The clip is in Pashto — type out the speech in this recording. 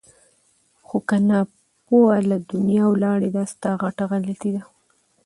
خو که ناپوه له دنیا ولاړې دا ستا غټه غلطي ده!